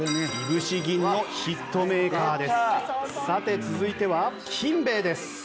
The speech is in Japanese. さて続いては金兵衛です。